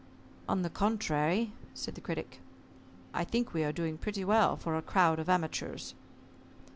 "On the contrary," said the Critic, "I think we are doing pretty well for a crowd of amateurs."